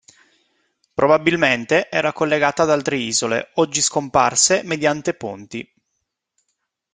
Probabilmente, era collegata ad altre isole, oggi scomparse, mediante ponti.